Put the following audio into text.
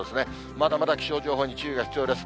まだまだ気象情報に注意が必要です。